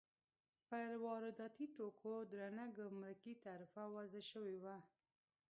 پر وارداتي توکو درنه ګمرکي تعرفه وضع شوې وه.